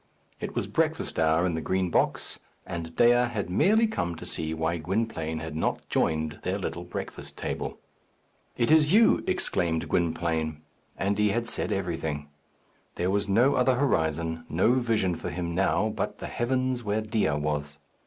It was breakfast hour in the Green Box, and Dea had merely come to see why Gwynplaine had not joined their little breakfast table. "It is you!" exclaimed Gwynplaine; and he had said everything. There was no other horizon, no vision for him now but the heavens where Dea was.